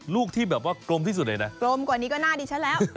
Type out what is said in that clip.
ลูกที่แบบกลมที่สุดเหนือนี่